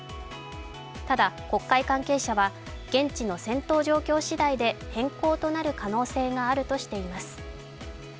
ただ国会関係者は現地の戦闘状況しだいで変更となる可能性があるとしています。